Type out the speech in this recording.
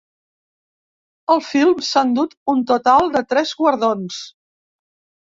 El film s’ha endut un total de tres guardons.